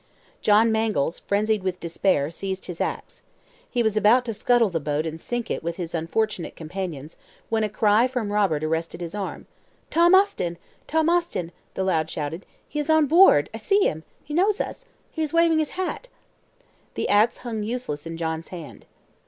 John Mangles, frenzied with despair, seized his ax. He was about to scuttle the boat and sink it with his unfortunate companions, when a cry from Robert arrested his arm. "Tom Austin! Tom Austin!" the lad shouted. "He is on board! I see him! He knows us! He is waving his hat." The ax hung useless in John's hand.